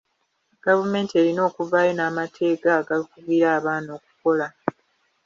Gavumenti erina okuvaayo n'amateeka agakugira abaana okukola.